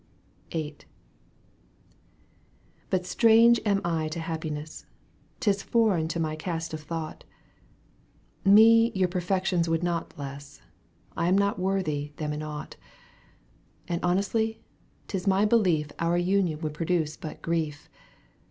vin. о " But strange am I to happiness ; 'Tis foreign to my cast of thought ; Me your perfections would not bless ; I am not worthy them in aught ; And honestly 'tis my belief Our union would produce but grief.